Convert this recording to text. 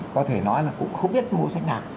có thể nói là cũng không biết bộ sách nào